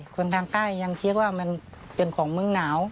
คนทางใต้ยังคิดว่ามันเป็นของมึงหนาว